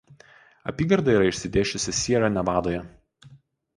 Apygarda yra išsidėsčiusi Siera Nevadoje.